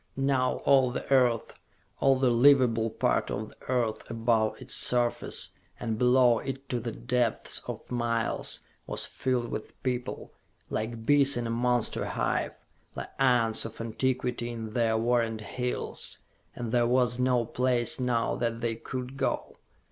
Now all the earth, all the livable part of the earth, above its surface and below it to the depths of miles was filled with people, like bees in a monster hive, like ants of antiquity in their warrened hills. And there was no place now that they could go.